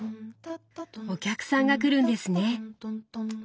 お客さんが来るんですね。